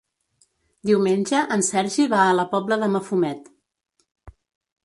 Diumenge en Sergi va a la Pobla de Mafumet.